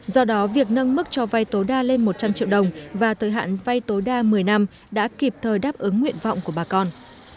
do đó việc nâng mức cho vay tối đa lên một trăm linh triệu đồng và tới hạn vay tối đa một mươi năm đã kịp thời đáp ứng nguyện vọng của bà con